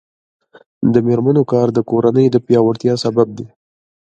د میرمنو کار د کورنۍ پیاوړتیا سبب دی.